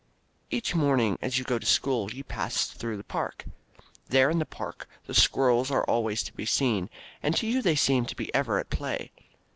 Each morning as you go to school you pass through the park. There in the park the squirrels are always to be seen, and to you they seem to be ever at play.